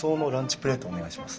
プレートお願いします。